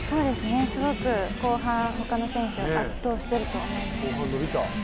すごく後半、ほかの選手を圧倒していると思います。